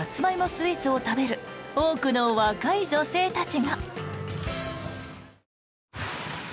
スイーツを食べる多くの若い女性たちが。